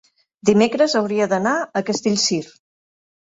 dimecres hauria d'anar a Castellcir.